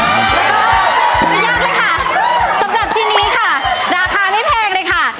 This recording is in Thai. ยากเลยค่ะสำหรับชิ้นนี้ค่ะราคาไม่แพงเลยค่ะ